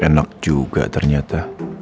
enak juga ternyata